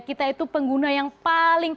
kita itu pengguna yang paling